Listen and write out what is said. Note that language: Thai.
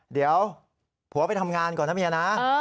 เดี๋ยวผัวไปทำงานก่อนนะเมียนะ